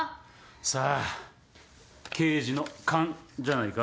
さあ刑事の勘じゃないか？